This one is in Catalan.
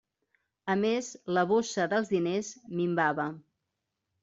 A més, la bossa dels diners minvava.